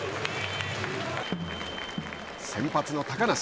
先発の高梨。